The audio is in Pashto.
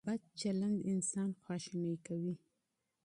بد چلند انسان غوسه کوي.